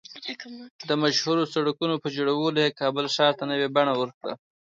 د مشهورو سړکونو په جوړولو یې کابل ښار ته نوې بڼه ورکړه